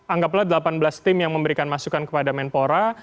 anggaplah delapan belas tim yang memberikan masukan kepada menpora